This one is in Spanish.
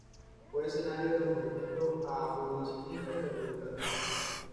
Fue escenario de los Movimientos Abolicionista y Republicano.